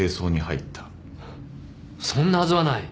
そんなはずはない。